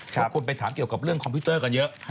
เพราะคนไปถามเกี่ยวกับเรื่องคอมพิวเตอร์กันเยอะ